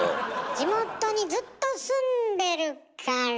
地元にずっと住んでるから。